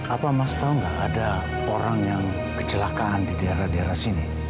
apa mas tahu nggak ada orang yang kecelakaan di daerah daerah sini